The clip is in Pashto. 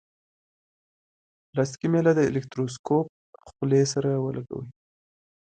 پلاستیکي میله د الکتروسکوپ خولې سره ولګوئ.